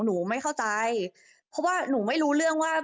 หนูไม่เข้าใจเพราะว่าหนูไม่รู้เรื่องว่า